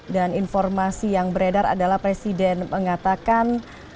dan informasi yang beredar adalah presiden mengatakan